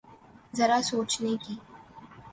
ذرا سوچنے کی۔